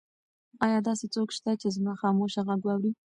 ایا داسې څوک شته چې زما خاموشه غږ واوري؟